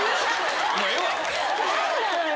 何なのよ